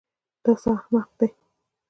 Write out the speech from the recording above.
دا څه احمق دی.